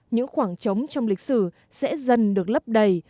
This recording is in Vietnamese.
những khoảng trống trong lịch sử sẽ dần được lấp đầy